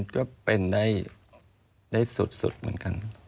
ก็เป็นได้สุดเหมือนกัน